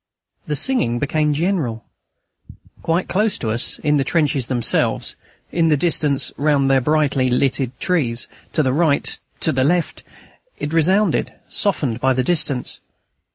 The singing became general. Quite close to us, in the trenches themselves, in the distance, round their brightly lighted trees, to the right, to the left, it resounded, softened by the distance.